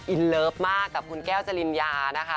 อินเลิฟมากกับคุณแก้วจริญญานะคะ